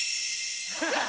ハハハハ！